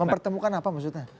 mempertemukan apa maksudnya